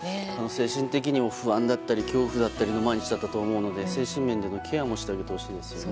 精神的にも不安だったり恐怖だったりという毎日だったと思うので精神面のケアもしてほしいですね。